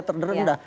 terkena sangsi ya